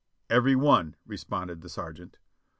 "Every one." responded the sergeant.